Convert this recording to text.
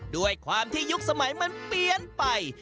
ด้วยความที่ยุคสมัยมันเปลี่ยนไป